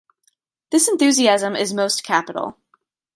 This enthusiasm is most capital.